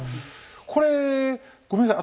これごめんなさい